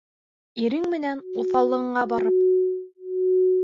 Ирең менән уҫаллығыңа барып...